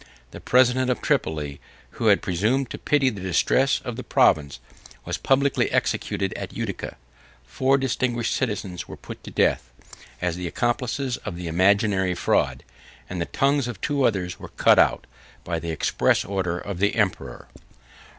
The president of Tripoli, who had presumed to pity the distress of the province, was publicly executed at Utica; four distinguished citizens were put to death, as the accomplices of the imaginary fraud; and the tongues of two others were cut out, by the express order of the emperor.